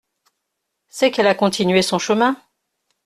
C’est qu’elle a continué son chemin.